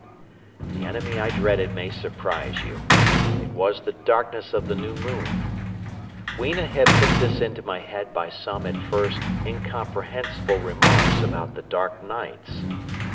"The enemy I dreaded may surprise you. It was the darkness of the new moon. Weena had put this into my head by some at first incomprehensible remarks about the Dark Nights.